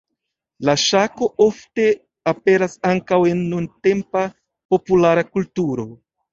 La ŝako ofte aperas ankaŭ en nuntempa populara kulturo.